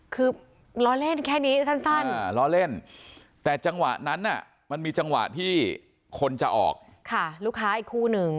คือล้อเล่นแค่นี้สั้นล้อเล่นแต่จังหวะนั้นมันมีจังหวะที่คนจะออกลูกค้าอีกคู่หนึ่ง